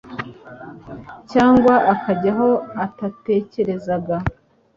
cyangwa akajya aho atatekerezaga,